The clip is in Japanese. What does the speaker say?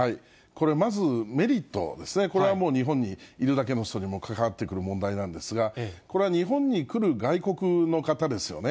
これ、まずメリットですね、これはもう、日本にいるだけの人にも関わってくる問題なんですが、これは日本に来る外国の方ですよね。